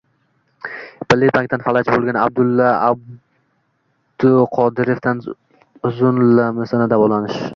Milliy bankdan falaj bo'lgan Abdulla Abduqodirovdan uzunlamasına davolanish